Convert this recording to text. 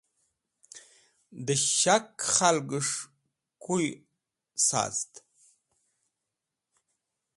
Dẽ shak yarkẽs̃h kuy sazd.